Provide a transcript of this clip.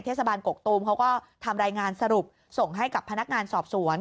เทศบาลกกตูมเขาก็ทำรายงานสรุปส่งให้กับพนักงานสอบสวน